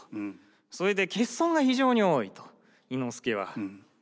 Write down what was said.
それで欠損が非常に多いと伊之助は。